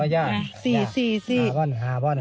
นี่นี่เรียกประยัตร